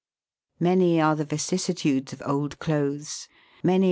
Many are the vicissitudes of old clothes, many are the Fig.